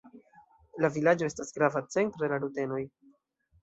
La vilaĝo estas grava centro de la rutenoj.